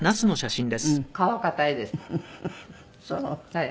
はい。